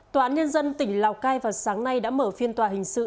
tòa án nhân dân tỉnh lào cai vào sáng nay đã mở phiên tòa hình sự